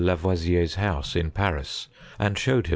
Lavoisier's house, in Pans, and jshawed him.